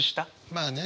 まあね。